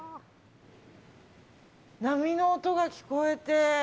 波の音が聞こえて。